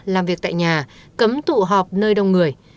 làm việc tại nhà cấm tụ họp nơi đông người